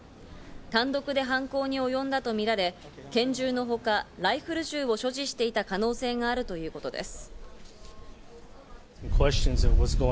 単独で犯行におよんだとみられ、拳銃のほか、ライフル銃を所持していた可能性があるということです。